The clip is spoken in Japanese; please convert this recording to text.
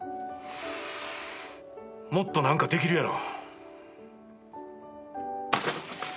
もっと何かできるやろ。